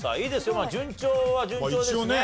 まあ順調は順調ですね。